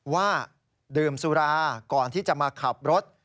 ว่าดื่มสุราก่อนที่จะมาขับรถ